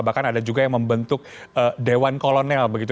bahkan ada juga yang membentuk dewan kolonel begitu